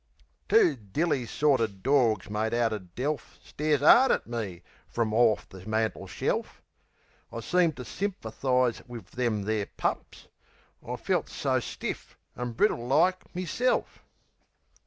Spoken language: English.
Two dilly sorter dawgs made outer delf Stares 'ard at me frum orf the mantelshelf. I seemed to symperthise wiv them there pups; I felt so stiff an' brittle like meself.